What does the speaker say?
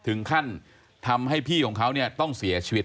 ถึงขั้นทำให้พี่ต้องเสียชีวิต